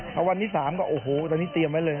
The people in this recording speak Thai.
พอวันที่๓ก็โอ้โหตอนนี้เตรียมไว้เลย